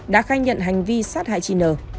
đã khai nhận hành vi sát hại chị n